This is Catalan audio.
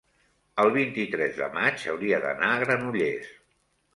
el vint-i-tres de maig hauria d'anar a Granollers.